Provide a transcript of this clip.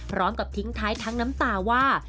พร้อมกับทิ้งท้ายทั้งน้ำตาว่า